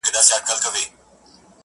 د هر ښار په جنایت کي به شامل وو !.